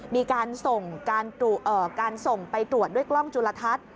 มีการส่งการส่งไปตรวจด้วยกล้องจุลทัศน์